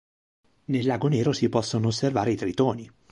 Nel Lago Nero si possono osservare i Tritoni.